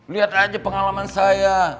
lihat aja pengalaman saya